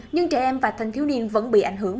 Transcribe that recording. nhưng trẻ em và thanh thiếu niên vẫn bị ảnh hưởng